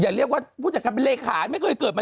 เรียกว่าผู้จัดการเป็นเลขาไม่เคยเกิดมา